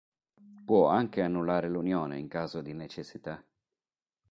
Può anche annullare l'unione in caso di necessità.